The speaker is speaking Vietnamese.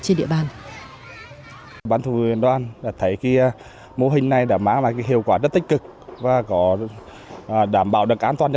trên địa bàn